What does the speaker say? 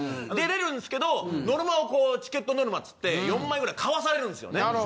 出れるんすけどノルマをこうチケットノルマっつって４枚ぐらい買わされるんですよね。